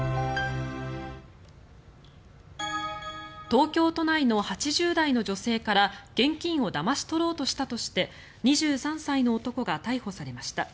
東京都内の８０代の女性から現金をだまし取ろうとしたとして２３歳の男が逮捕されました。